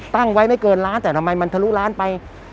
ตั้งไว้ไม่เกินล้านแต่ทำไมมันทะลุล้านไป